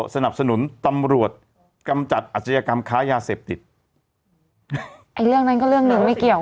สนับสนุนตำรวจกำจัดอาชญากรรมค้ายาเสพติดไอ้เรื่องนั้นก็เรื่องหนึ่งไม่เกี่ยว